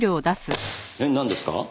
えっなんですか？